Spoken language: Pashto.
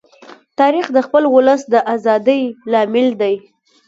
تاریخ د خپل ولس د ازادۍ لامل دی.